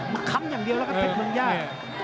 มะคัมอย่างเดียวแล้วก็เพชรมึงย่า